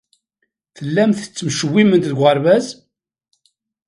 Tellamt tettmecčiwemt deg uɣerbaz?